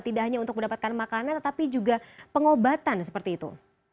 tidak hanya untuk mendapatkan makanan tetapi juga pengobatan seperti itu